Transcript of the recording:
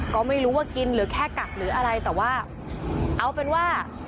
ก็ไม่รู้ว่ากินหรือแค่กักหรืออะไรแต่ว่าเอาเป็นว่า